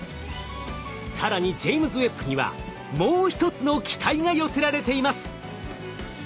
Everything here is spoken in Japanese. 更にジェイムズ・ウェッブにはもう一つの期待が寄せられています。